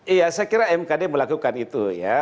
iya saya kira mkd melakukan itu ya